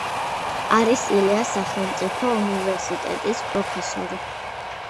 არის ილიას სახელმწიფო უნივერსიტეტის პროფესორი.